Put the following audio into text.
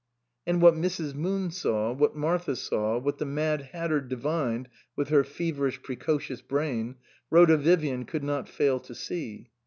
And what Mrs. Moon saw, what Martha saw, what the Mad Hatter divined with her feverish, precocious brain, Rhoda Vivian could not fail to see.